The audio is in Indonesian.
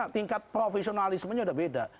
tapi lihat profesionalismenya sudah beda